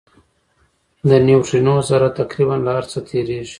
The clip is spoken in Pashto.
د نیوټرینو ذره تقریباً له هر څه تېرېږي.